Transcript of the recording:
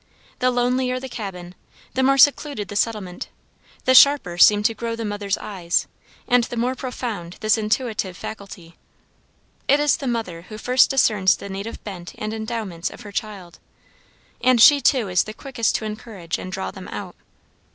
The lonelier the cabin, the more secluded the settlement, the sharper seem to grow the mother's eyes, and the more profound this intuitive faculty. It is the mother who first discerns the native bent and endowments of her child, and she too is the quickest to encourage and draw them out.